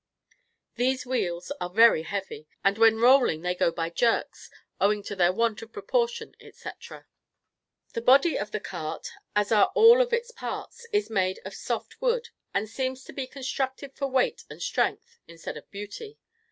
These wheels are very heavy, and when rolling they go by jerks, owing to their want of proportion, etc. The body of the cart, as are all of its parts, is made of soft wood, and seems to be constructed for weight and strength instead of beauty.